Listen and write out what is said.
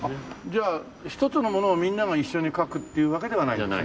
じゃあ一つのものをみんなが一緒に書くっていうわけではないんですね。